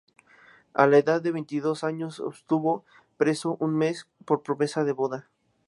A la edad de veintidós años, estuvo preso un mes por promesa de boda.